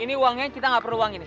ini uangnya kita nggak perlu uang ini